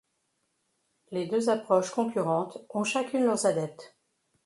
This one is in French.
Les deux approches concurrentes ont chacune leurs adeptes.